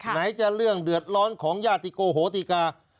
ไหนจะเรื่องเดือดร้อนของญาติโกโหติกา